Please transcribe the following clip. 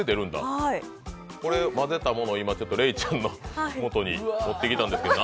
これを混ぜたものをレイちゃんのもとに持ってきたんですけど。